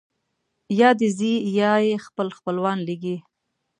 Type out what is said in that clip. یا دی ځي یا یې خپل خپلوان لېږي.